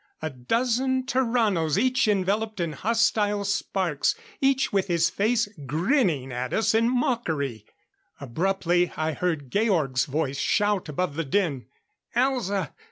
A dozen Tarranos, each enveloped in hostile sparks, each with his face grinning at us in mockery. Abruptly, I heard Georg's voice shout above the din: "Elza!